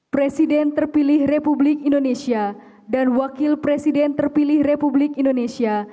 presiden terpilih republik indonesia dan wakil presiden terpilih republik indonesia